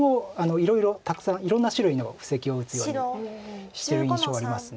いろいろたくさんいろんな種類の布石を打つようにしてる印象はあります。